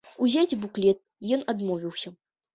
Узяць буклет ён адмовіўся.